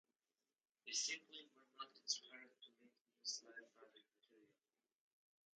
They simply "were not inspired to make new Side Project material".